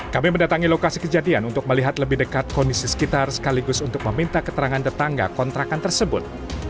kami mendatangi lokasi kejadian untuk melihat lebih dekat kondisi sekitar sekaligus untuk meminta keterangan tetangga kontrakan tersebut